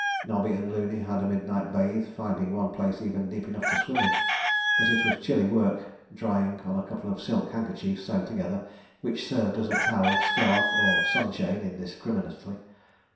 Nobby and Looney had a midnight bathe, finding one place even deep enough to swim in; but it was chilly work drying on a couple of silk handkerchiefs sewn together which served as towel, scarf, or sunshade indiscriminately.